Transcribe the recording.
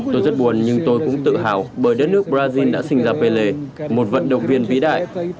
tôi rất buồn nhưng tôi cũng tự hào bởi đất nước brazil đã sinh ra pelle một vận động viên vĩ đại